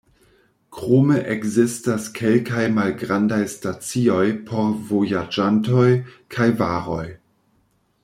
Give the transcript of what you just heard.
Krome ekzistas kelkaj malgrandaj stacioj por vojaĝantoj kaj varoj.